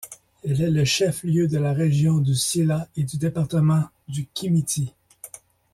Elle est le chef-lieu de la région du Sila et du département du Kimiti.